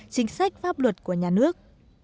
chính sách pháp luật của nhà nước